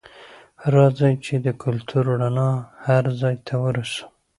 راځئ چې د کلتور رڼا هر ځای ته ورسوو.